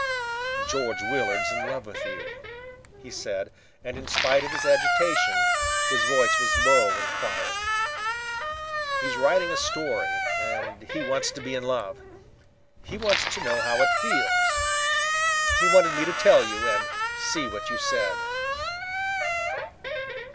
"George Willard's in love with you," he said, and in spite of his agitation his voice was low and quiet. "He's writing a story, and he wants to be in love. He wants to know how it feels. He wanted me to tell you and see what you said."